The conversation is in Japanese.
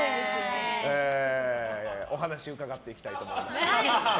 お話を伺っていきたいと思います。